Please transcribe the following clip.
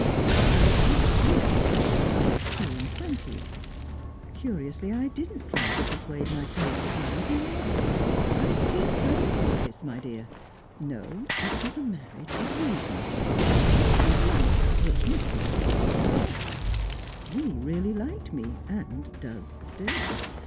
That was eight years ago, when I was two and twenty. Curiously, I didn't try to persuade myself that I was in love; I take credit for this, my dear! No, it was a marriage of reason. I had money, which Mr. Borisoff had not. He really liked me, and does still.